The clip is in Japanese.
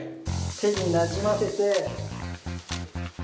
手になじませて。